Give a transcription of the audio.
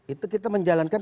itu kita menjalankan